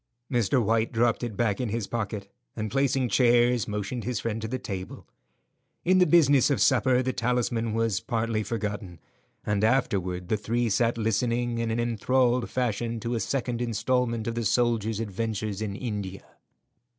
Mr. White dropped it back in his pocket, and placing chairs, motioned his friend to the table. In the business of supper the talisman was partly forgotten, and afterward the three sat listening in an enthralled fashion to a second instalment of the soldier's adventures in India.